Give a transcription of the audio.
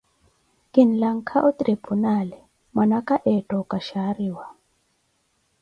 Kinlankha o tiripunaale, mwnaka eetta okashaariwa.